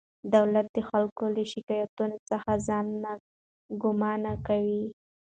دولت د خلکو له شکایتونو څخه ځان ناګمانه کاوه.